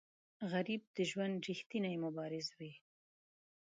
غریب د ژوند ریښتینی مبارز وي